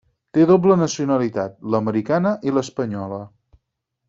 Té doble nacionalitat, l'americana i l'espanyola.